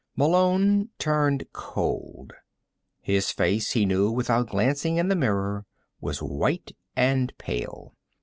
Malone turned cold. His face, he knew without glancing in the mirror, was white and pale.